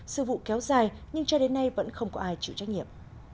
sự vụ kéo dài nhưng cho đến nay vẫn không có ai chịu trách nhiệm